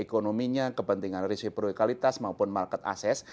ekonominya kepentingan resiprokalitas maupun market access